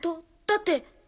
だって。